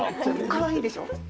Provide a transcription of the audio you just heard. かわいいでしょ？